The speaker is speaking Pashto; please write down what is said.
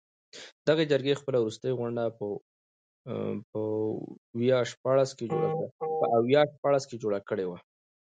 دغې جرګې خپله وروستۍ غونډه په ویا شپاړس کې جوړه کړې وه.